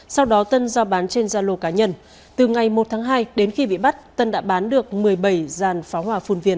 sau đó tân rao bán trên gia lô cá nhân từ ngày một tháng hai đến khi bị bắt tân đã bán được một mươi bảy dàn pháo hòa phun viên